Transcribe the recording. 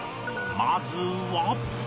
まずは